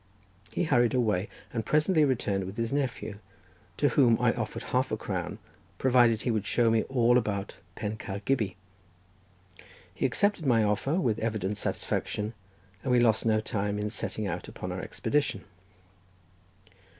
He hurried away, and presently returned with his nephew, to whom I offered half a crown provided he would show me all about Pen Caer Gyby. He accepted my offer with evident satisfaction, and we lost no time in setting out upon our expedition.